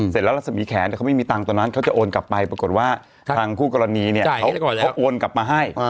เสร็จแล้วรัศมีแขนเขาไม่มีตังค์ตอนนั้นเขาจะโอนกลับไปปรากฏว่าทางคู่กรณีเนี่ยเขาโอนกลับมาให้